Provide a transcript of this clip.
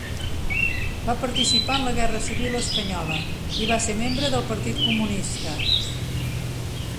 Va participar en la Guerra civil espanyola i va ser membre del Partit Comunista.